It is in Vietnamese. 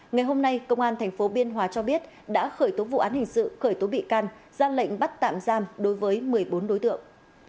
ngày hôm nay công an tp biên hòa cho biết đã khởi tố vụ án hình sự khởi tố bị can ra lệnh bắt tạm giam đối với một mươi bốn đối tượng